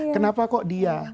kenapa kok dia